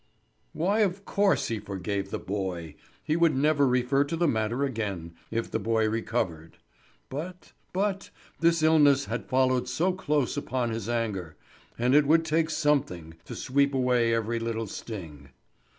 Why of course he forgave the boy! He would never refer to the matter again, if the boy recovered. But but this illness had followed so close upon his anger; and it would take something to sweep away every little sting.